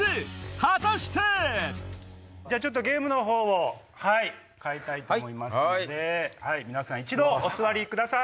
果たして⁉ちょっとゲームのほうを変えたいと思いますので皆さん一度お座りください。